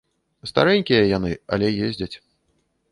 Старэнькія яны, але ездзяць.